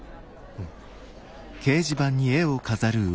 うん。